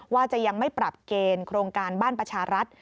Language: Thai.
ว่าจะยังไม่ปรับเกณฑ์โครงการบ้านประชารัฐ